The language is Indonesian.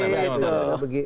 bagaimana pak menteri